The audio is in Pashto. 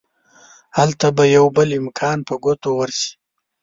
هلته به يو بل امکان په ګوتو ورشي.